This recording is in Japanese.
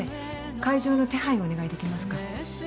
会場の手配をお願いできますか。